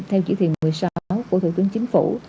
như thiền một mươi sáu của thủ tướng chính phủ